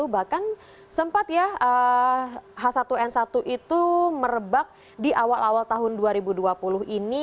bahkan sempat ya h satu n satu itu merebak di awal awal tahun dua ribu dua puluh ini